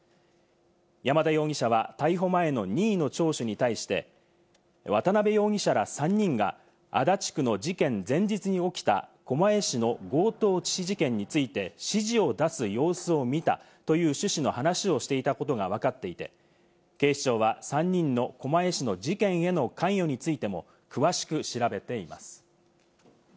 山田容疑者は逮捕前の任意の聴取に対して渡辺容疑者ら３人が足立区の事件前日に起きた狛江市の強盗致死事件について指示を出す様子を見たという趣旨の話をしていたことがわかっていて、警視庁は３人の狛江市の事件への関与についても詳しく調べています。